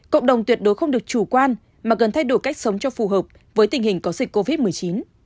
cộng đồng tuyệt đối không được chủ quan mà cần thay đổi cách sống cho phù hợp với tình hình có dịch covid một mươi chín